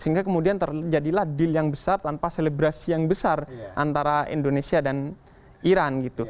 sehingga kemudian terjadilah deal yang besar tanpa selebrasi yang besar antara indonesia dan iran gitu